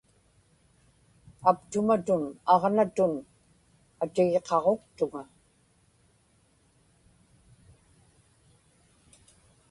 aptumatun aġnatun atigiqaġuktuŋa